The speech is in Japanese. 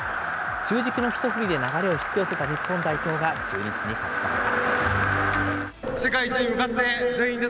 中軸の一振りで流れを引き寄せた日本代表が中日に勝ちました。